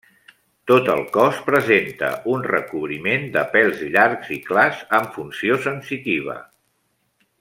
Tot el cos presenta un recobriment de pèls llargs i clars amb funció sensitiva.